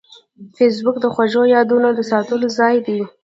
فېسبوک د خوږو یادونو د ساتلو ځای دی